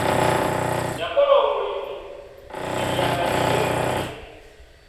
Yakola omulimu mu ngeri ya gadibengalye.